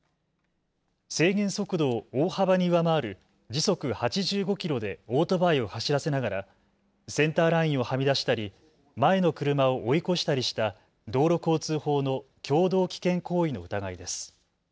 制限速度を大幅に上回る時速８５キロでオートバイを走らせながらセンターラインをはみ出したり前の車を追い越したりした道路交通法の共同危険行為の疑いです。